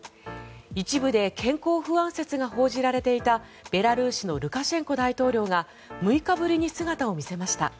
一部で健康不安説が報じられていたベラルーシのルカシェンコ大統領が６日ぶりに姿を見せました。